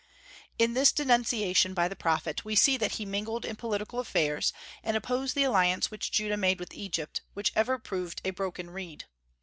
In this denunciation by the prophet we see that he mingled in political affairs, and opposed the alliance which Judah made with Egypt, which ever proved a broken reed.